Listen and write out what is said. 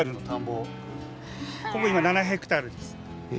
ここ今７ヘクタールです。え！